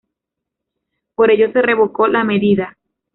Por ello se revocó la medida".